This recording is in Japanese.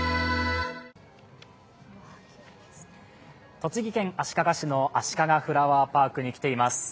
栃木県足利市のあしかがフラワーパークに来ています。